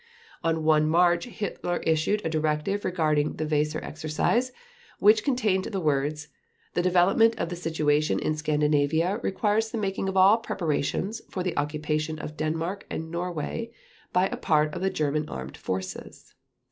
On 1 March Hitler issued a directive regarding the Weser Exercise which contained the words: "The development of the situation in Scandinavia requires the making of all preparations for the occupation of Denmark and Norway by a part of the German Armed Forces.